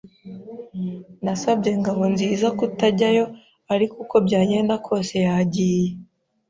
Nasabye Ngabonziza kutajyayo, ariko uko byagenda kose yagiye.